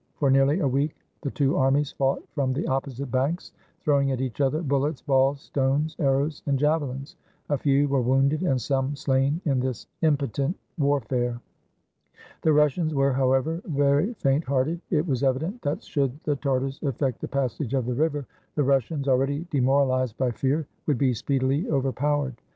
For nearly a week the two armies fought from the opposite banks, throwing at each other bullets, balls, stones, ar rows, and javelins. A few were wounded and some slain in this impotent warfare. The Russians, were, however, very faint hearted. It was evident that should the Tartars effect the passage of the river, the Russians, already demoralized by fear, would be speedily overpowered.